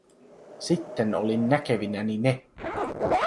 Sitten olin näkevinäni ne.